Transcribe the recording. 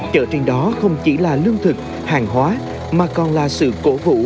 chợ trên đó không chỉ là lương thực hàng hóa mà còn là sự cổ vũ